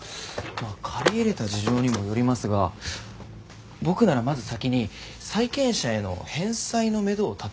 借り入れた事情にもよりますが僕ならまず先に債権者への返済のめどを立てます。